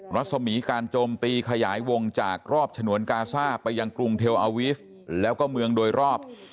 รัศมีการโจมตีขยายวงจากรอบฉนวนกาซ่าไปยังกรุงเทลอาวีฟแล้วก็เมืองโดยรอบ